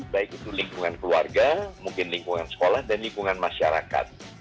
baik itu lingkungan keluarga mungkin lingkungan sekolah dan lingkungan masyarakat